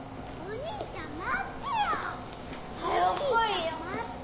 兄ちゃん待って！